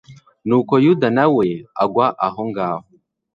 nuko yuda na we agwa aho ngaho